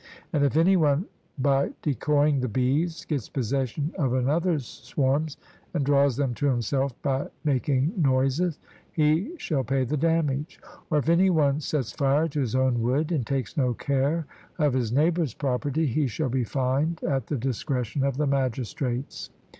And if any one, by decoying the bees, gets possession of another's swarms, and draws them to himself by making noises, he shall pay the damage; or if any one sets fire to his own wood and takes no care of his neighbour's property, he shall be fined at the discretion of the magistrates.